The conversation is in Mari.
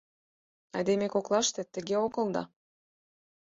Айдеме коклаште тыге огыл да...